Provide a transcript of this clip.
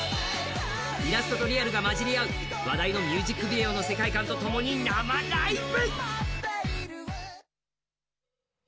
イラストとリアルが混じり合う話題のミュージックライブの世界観とともに生ライブ！